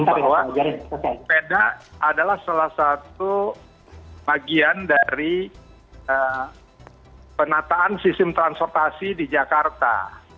bahwa sepeda adalah salah satu bagian dari penataan sistem transportasi di jakarta